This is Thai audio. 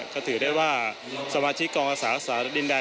ก็ถือได้ว่าสมาชิกกองอาสาดินแดน